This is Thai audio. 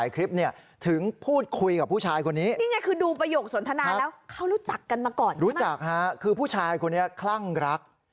เขารู้จักกันมาก่อนใช่ไหมรู้จักค่ะคือผู้ชายคนนี้คลั่งรัก